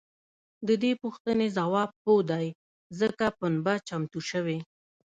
د دې پوښتنې ځواب هو دی ځکه پنبه چمتو شوې.